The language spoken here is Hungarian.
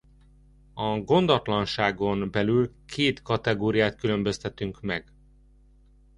A gondatlanságon belül két kategóriát különböztetünk meg.